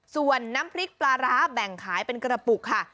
ส่วนน้ำพริกปลาร้าแบ่งขายเป็นกระปุกค่ะ